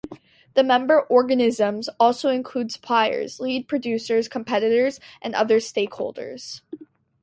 The member organisms also include suppliers, lead producers, competitors, and other stakeholders.